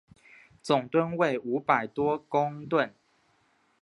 总吨位五百多公顿。